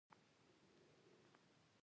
استاد د فکر اصلاح ته هڅه کوي.